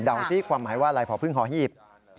ซิความหมายว่าอะไรผอพึ่งหอหีบ